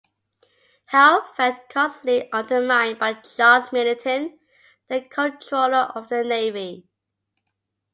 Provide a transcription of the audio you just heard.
Howe felt constantly undermined by Charles Middleton, the Comptroller of the Navy.